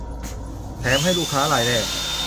แถมให้ ลูกค้ารายแรก